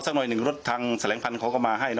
พอเสียหน่อยหนึ่งรถทางแสดงพนักงานเขาก็เอามาให้